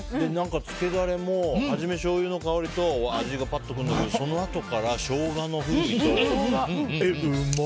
漬けダレも初めしょうゆの香りと味がぱっとくるんだけどそのあとからショウガの風味と。